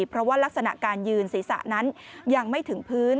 เพราะว่ารักษณะการยืนศีรษะนั้นยังไม่ถึงพื้น